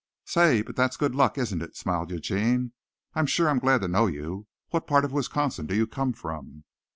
"Say, but that's good luck, isn't it?" smiled Eugene. "I'm sure I'm glad to know you. What part of Wisconsin do you come from?"